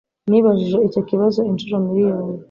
Nibajije icyo kibazo inshuro miriyoni